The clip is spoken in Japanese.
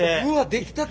出来たて。